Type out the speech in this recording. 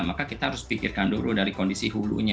maka kita harus pikirkan dulu dari kondisi hulunya